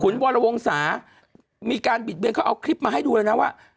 คุณวรวงศามีการบิดเบือนเขาเอาคลิปมาให้ดูเลยนะว่า